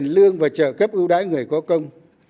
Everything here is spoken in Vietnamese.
lương và trợ cấp ưu đãi người có công